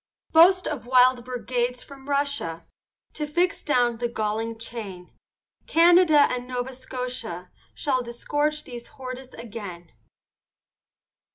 Boast of wild brigades from Russia, To fix down the galling chain, Canada and Nova Scotia, Shall disgorge these hordes again.